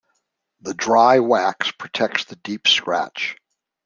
The dry wax protects the deep scratch.